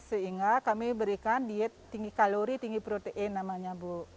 sehingga kami berikan diet tinggi kalori tinggi protein namanya bu